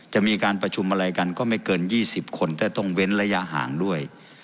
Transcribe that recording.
จะมีการประชุมอะไรกันก็ไม่เกิน๒๐คนแต่ต้องเว้นระยะห่างด้วย